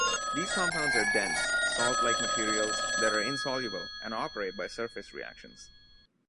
These compounds are dense, salt-like materials that are insoluble and operate by surface reactions.